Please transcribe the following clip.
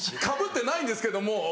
かぶってないんですけども。